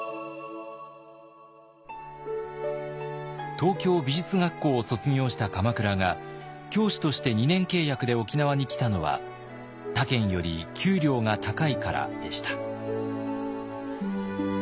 東京美術学校を卒業した鎌倉が教師として２年契約で沖縄に来たのは他県より給料が高いからでした。